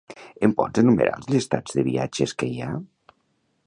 Em pots enumerar els llistats de viatges que hi ha?